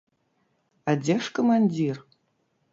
А дзе ж камандзір?